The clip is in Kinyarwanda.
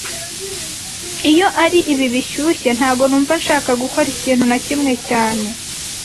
Iyo ari ibi bishyushye, ntago numva nshaka gukora ikintu na kimwe cyane